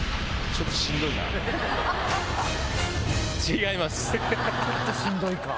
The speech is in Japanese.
ちょっとしんどいか。